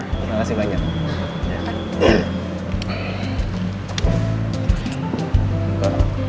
terima kasih banyak